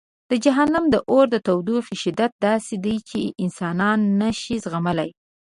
د جهنم د اور د تودوخې شدت داسې دی چې انسانان نه شي زغملی.